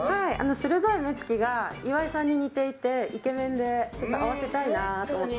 鋭い目つきが岩井さんに似ていてイケメンで合わせたいなと思って。